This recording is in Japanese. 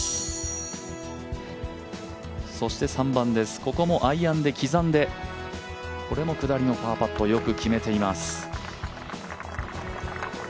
そして３番です、ここもアイアンで刻んでこれも下りのパーパットよく決めています。